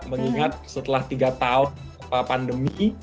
mengingat setelah tiga tahun pandemi